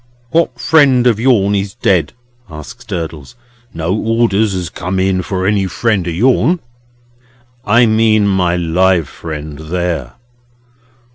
"What friend o' yourn is dead?" asks Durdles. "No orders has come in for any friend o' yourn." "I mean my live friend there."